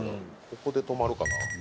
ここで止まるかな。